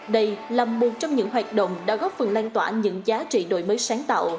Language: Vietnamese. đây là một trong những hoạt động đã góp phần lan tỏa những giá trị đổi mới sáng tạo